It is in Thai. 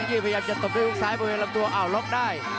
อังกฤษพยายามจะตกใจของซ้ายบริเวณลำตัวอ้าวล๊อคได้